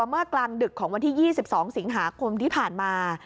เมื่อกลางดึกของวันที่๒๒สิงหาคมที่ผ่านมา